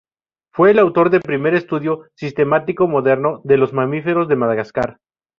Fue el autor del primer estudio sistemático moderno de los mamíferos de Madagascar.